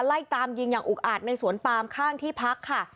ไล่ตามยิงอย่างอุกอาจในสวนปามข้างที่พักค่ะ